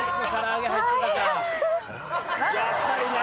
やっぱりな。